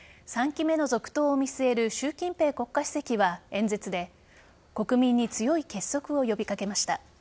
３期目の続投を見据える習近平国家主席は演説で国民に強い結束を呼び掛けました。